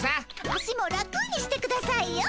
足も楽にしてくださいよ。